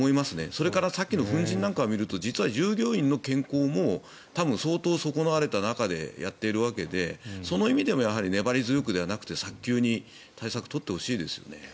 それからさっきの粉じんなんかを見ると実は従業員の健康も多分、相当損なわれた中でやっているわけでその意味でも粘り強くではなくて早急に対策を取ってほしいですよね。